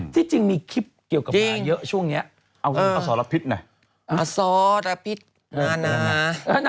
ที่จริงมีคลิปเกี่ยวกับหมาเยอะช่วงนี้เอาคืออสรพิษไหน